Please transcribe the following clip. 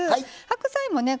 白菜もね